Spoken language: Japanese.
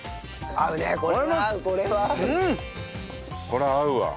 これは合うわ。